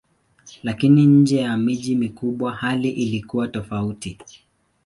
Lakini nje ya miji mikubwa hali ilikuwa tofauti.